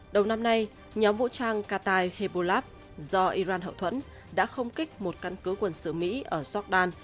đầu năm nay nhóm vũ trang qatar hebolab do iran hậu thuẫn đã không kích một căn cứ quân sự mỹ ở jordan